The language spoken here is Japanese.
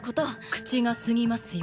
口が過ぎますよ。